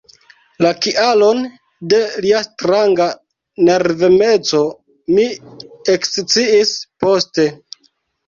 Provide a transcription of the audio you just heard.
La kialon de lia stranga nervemeco mi eksciis poste.